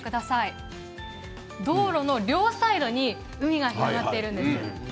道路の両サイドに、海が広がっているんです。